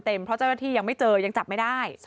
เพราะเจ้าหน้าที่ยังไม่เจอยังจับไม่ได้